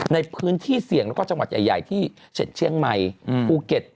ในพื้นที่เสี่ยงแล้วก็จังหวัดใหญ่ที่เช่นเชียงใหม่ภูเก็ต